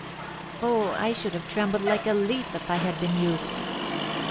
"Oh, I should have trembled like a leaf if I had been you!"